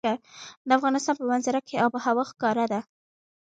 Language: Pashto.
د افغانستان په منظره کې آب وهوا ښکاره ده.